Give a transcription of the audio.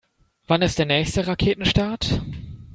Wann ist der nächste Raketenstart?